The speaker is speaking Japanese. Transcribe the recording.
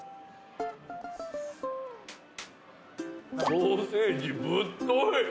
ソーセージぶっとい。